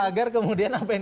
agar kemudian apa yang